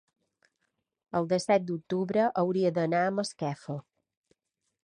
el disset d'octubre hauria d'anar a Masquefa.